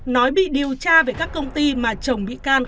nói bị điều tra về các công ty mà chồng bị can